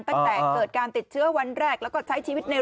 ตั้งแต่เกิดการติดเชื้อวันแรกแล้วก็ใช้ชีวิตใน